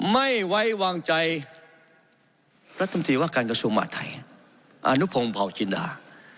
ไม่ไว้วางใจรัฐมนตรีว่าการกระทรวงมหาธัยอนุพงศ์เผาจินดา